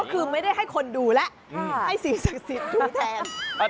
ก็คือไม่ได้ให้คนดูแล้วให้ศีลศักดิ์ศิษฐ์ดูแทน